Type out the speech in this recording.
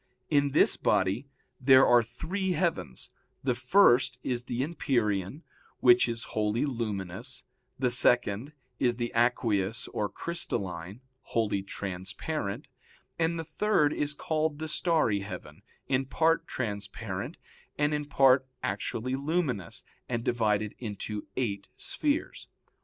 In this body there are three heavens; the first is the empyrean, which is wholly luminous; the second is the aqueous or crystalline, wholly transparent; and the third is called the starry heaven, in part transparent, and in part actually luminous, and divided into eight spheres.